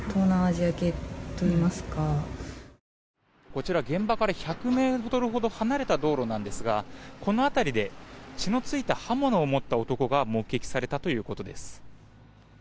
こちら現場から１００ｍほど離れた道路なんですがこの辺りで血のついた刃物を持った男が目撃されたということです。